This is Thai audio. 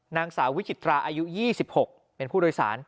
นางสาววิจิตราอายุ๒๖เป็นผู้โดยสาร